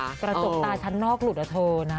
กระจกตาชั้นนอกหลุดอะเธอนะ